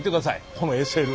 このＳＬ。